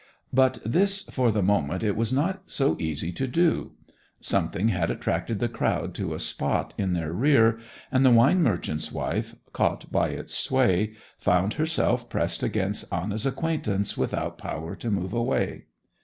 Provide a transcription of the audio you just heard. But this for the moment it was not so easy to do. Something had attracted the crowd to a spot in their rear, and the wine merchant's wife, caught by its sway, found herself pressed against Anna's acquaintance without power to move away.